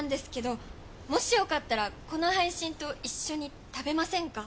なんもしよかったらこの配信と一緒に食べませんか？